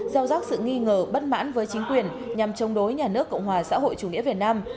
gieo rắc sự nghi ngờ bất mãn với chính quyền nhằm chống đối nhà nước cộng hòa xã hội chủ nghĩa việt nam